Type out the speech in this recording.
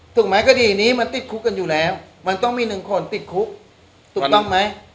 ถูกไหมคดีนี้มันติดคุกกันอยู่แล้วมันต้องมีหนึ่งคนติดคุกถูกต้องไหม